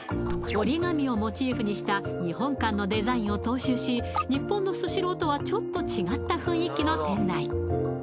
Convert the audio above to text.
折り紙をモチーフにした日本館のデザインを踏襲し日本のスシローとはちょっと違った雰囲気の店内